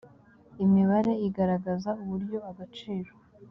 imibare igaragaza uburyo agaciro